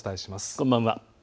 こんばんは。